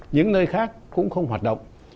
những nơi khác cũng không hoạt động